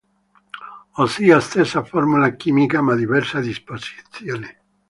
Ossia stessa formula chimica ma diversa disposiz.